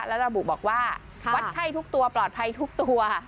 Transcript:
และระบุบอกว่าวัดไข้ทุกตัวปลอดภัยทุกตัว